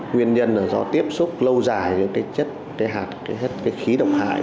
nguyên nhân là do tiếp xúc lâu dài với chất hạt khí độc hại